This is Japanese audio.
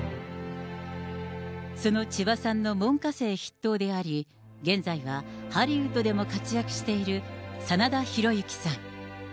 その千葉さんの門下生筆頭であり、現在はハリウッドでも活躍している、真田広之さん。